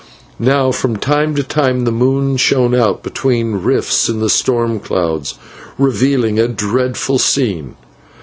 Now from time to time the moon shone out between rifts in the storm clouds, revealing a dreadful scene.